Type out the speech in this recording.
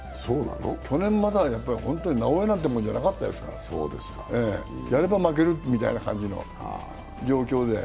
去年までは本当になおエなんてものじゃなかったですから、やれば負けるみたいな感じの状況で。